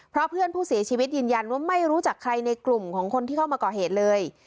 เพราะเพื่อนผู้เสียชีวิตยืนยันว่าไม่รู้จักใครในกลุ่มของคนที่เข้ามาก่อเหตุเลย